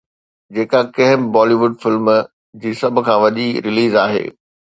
جيڪا ڪنهن به بالي ووڊ فلم جي سڀ کان وڏي رليز آهي